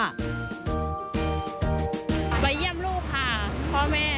ไปเยี่ยมลูกค่ะพ่อแม่